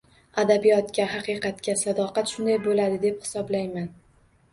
Adabiyotga, haqiqatga sadoqat shunday bo‘ladi, deb hisoblayman.